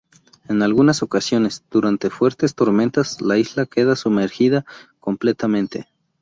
En algunas ocasiones, durante fuertes tormentas, la isla queda sumergida completamente.